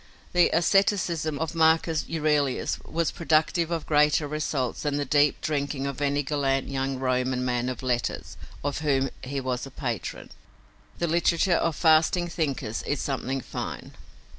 The asceticism of Marcus Aurelius was productive of greater results than the deep drinking of any gallant young Roman man of letters of whom he was a patron. The literature of fasting thinkers is something fine.